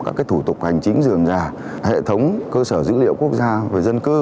các thủ tục hành chính dường dà hệ thống cơ sở dữ liệu quốc gia với dân cư